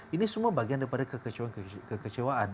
ini semua bagian daripada kekecewaan